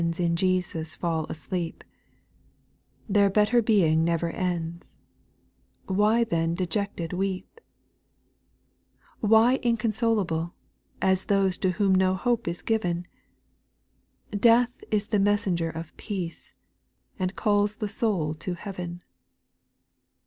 JL In Jesus fall asleep ; Their better being never ends, — Why then dejected weep ? 2. Why inconsolable, as those To whom no hope is given 1 Death is the messenger of peace, And calls the soul to heaven.